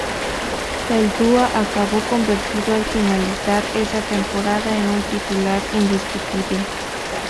Zaldúa acabó convertido al finalizar esa temporada en un titular indiscutible.